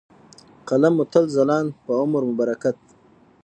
، قلم مو تل ځلاند په عمر مو برکت .